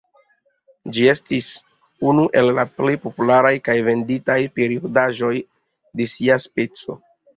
Ĝi estis unu el la plej popularaj kaj venditaj periodaĵoj de sia speco.